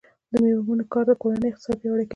د میرمنو کار د کورنۍ اقتصاد پیاوړی کوي.